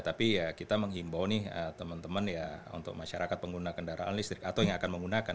tapi ya kita menghimbau nih teman teman ya untuk masyarakat pengguna kendaraan listrik atau yang akan menggunakan